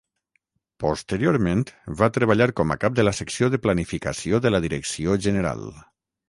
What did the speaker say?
Posteriorment, va treballar com a cap de la secció de Planificació de la Direcció General.